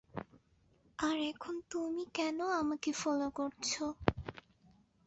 আর এখন তুমি কেনো আমাকে ফলো করছো?